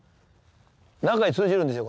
中へ通じるんですよ